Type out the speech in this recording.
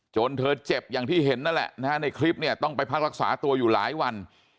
เธอเจ็บอย่างที่เห็นนั่นแหละนะฮะในคลิปเนี่ยต้องไปพักรักษาตัวอยู่หลายวัน